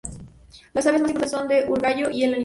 Las aves más importantes son el urogallo y el alimoche.